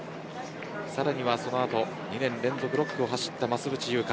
さらにはそのあと２年連続６区を走った増渕祐香